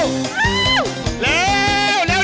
เร็วเร็วเร็วเร็ว